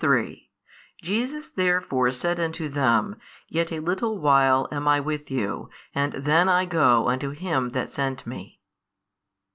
33 Jesus therefore said unto them, Yet a little while am I with you, and then I go unto Him That sent Me.